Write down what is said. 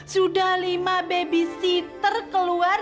sudah lima babysitter keluar